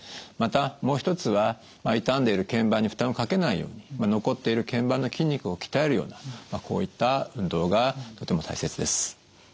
またもう一つは傷んでいる腱板に負担をかけないように残っている腱板の筋肉を鍛えるようなこういった運動がとても大切です。